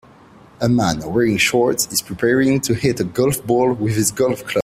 A man wearing shorts is preparing to hit a golf ball with his golf club.